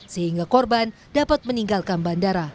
sehingga korban dapat meninggalkan bandara